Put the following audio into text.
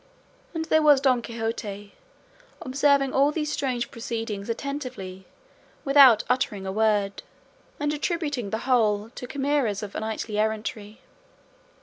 And there was Don Quixote observing all these strange proceedings attentively without uttering a word, and attributing the whole to chimeras of knight errantry.